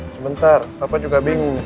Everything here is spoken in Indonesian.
sebentar papa juga bingung